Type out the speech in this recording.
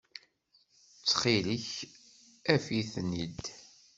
Ttxil-k, af-iten-id.